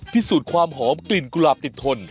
พิสูจน์ความหอมกลิ่นกุหลาบติดทน